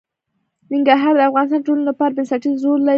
ننګرهار د افغانستان د ټولنې لپاره بنسټيز رول لري.